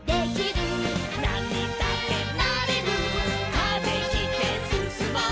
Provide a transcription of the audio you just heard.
「風切ってすすもう」